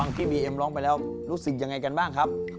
ที่บีเอ็มร้องไปแล้วรู้สึกยังไงกันบ้างครับ